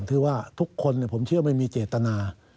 คือว่าทุกคนผมเชื่อไม่มีเจตนา